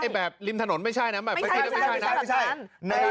เอ๊ะแบบริมถนนไม่ใช่นะไม่ใช่ไม่ใช่